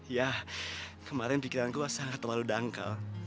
ya kemarin pikiranku sangat terlalu dangkal